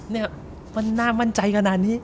เนี่ยมันน่ามั่นใจขนาดนี้